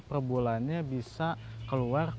per bulannya bisa keluar